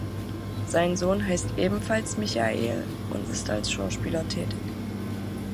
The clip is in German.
Sein Sohn heißt ebenfalls Michail und ist als Schauspieler tätig.